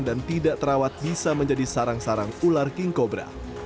dan tidak terawat bisa menjadi sarang sarang ular king cobra